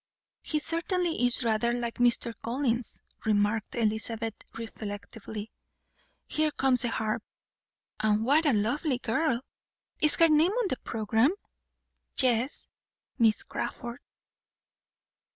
"He certainly is rather like Mr. Collins," remarked Elizabeth reflectively. "Here comes the harp and what a lovely girl! Is her name on the programme? Yes, Miss Crawford."